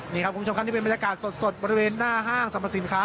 นี่ครับคุณผู้ชมครับนี่เป็นบรรยากาศสดบริเวณหน้าห้างสรรพสินค้า